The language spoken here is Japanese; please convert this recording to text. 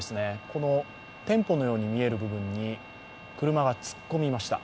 この店舗のように見える部分に車が突っ込みました。